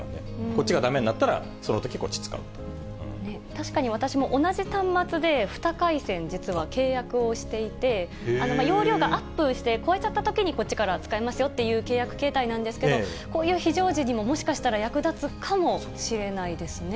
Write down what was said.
こっちがだめになったら、そのと確かに私も同じ端末で２回線、実は契約をしていて、容量がアップして超えちゃったときに、こっちから使えますよっていう、契約けいたいなんですけれども、こういう非常時にももしかしたら役立つかもしれないですね。